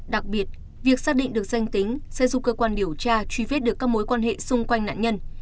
đặc biệt việc xác định được danh tính sẽ giúp cơ quan điều tra truy vết được các mối quan hệ xung quanh nạn nhân